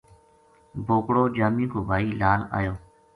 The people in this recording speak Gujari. بوکڑو جامی کو بھائی لال آیو۔